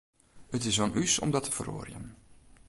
It is oan ús om dat te feroarjen.